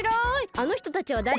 あのひとたちはだれ？